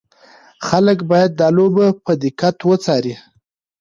خلک باید دا لوبه په دقت وڅاري.